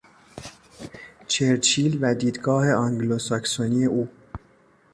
چرچیل و دیدگاه انگلوساکسونی او